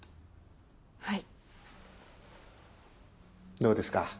どうですか？